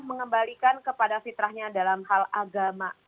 mengembalikan kepada fitrahnya dalam hal agama